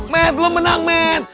mehmet lo menang mehmet